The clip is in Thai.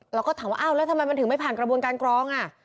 เราก็ถามว่าอ้าวแล้วทำไมมันถึงไม่ผ่านกระบวนการกรองอ่ะ